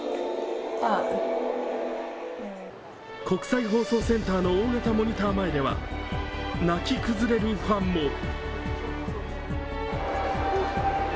国際放送センターの大型モニター前では、泣き崩れるファンも。